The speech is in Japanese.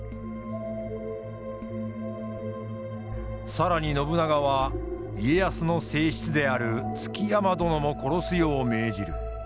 更に信長は家康の正室である築山殿も殺すよう命じる。